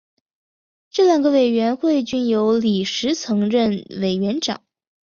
这两个委员会均由李石曾任委员长。